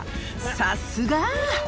さすが。